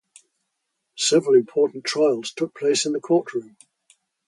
Several important trials took place in the courtroom.